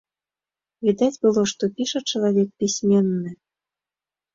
Відаць было, што піша чалавек пісьменны.